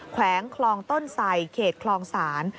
แขวงคลองต้นไสเขตคลองศาล